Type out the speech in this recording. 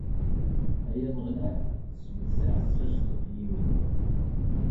Ay Ameɣlal, sbedd taɛessast ɣef yimi-w.